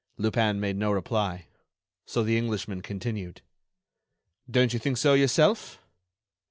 Lupin made no reply. So the Englishman continued: "Don't you think so yourself?"